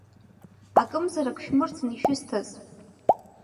Акымзарак шәмырӡын ишәысҭаз.